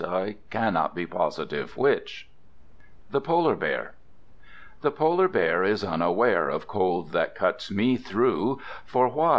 (I cannot be positive which.) The Polar Bear The Polar Bear is unaware Of cold that cuts me through: For why?